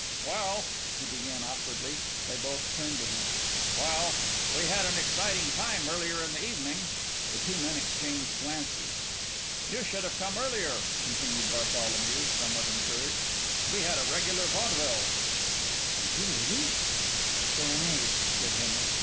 "Well" he began awkwardly. They both turned to him. "Well, we we had an exciting time earlier in the evening." The two men exchanged glances. "You should have come earlier," continued Bartholomew, somewhat encouraged. "We had a regular vaudeville." "Did you really?" "A serenade," said Henry.